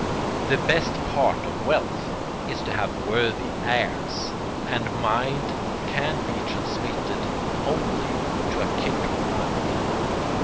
The best part of wealth is to have worthy heirs, and mind can be transmitted only to a kindred mind.